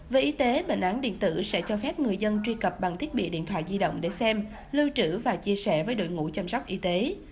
về y tế bệnh án điện tử sẽ cho phép người dân truy cập bằng thiết bị điện thoại di động để xem lưu trữ và chia sẻ với đội ngũ chăm sóc y tế